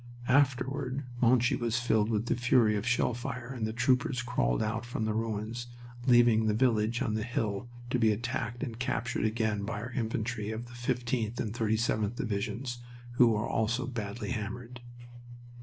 Afterward Monchy was filled with a fury of shell fire and the troopers crawled out from the ruins, leaving the village on the hill to be attacked and captured again by our infantry of the 15th and 37th Divisions, who were also badly hammered.